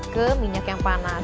ke minyak yang panas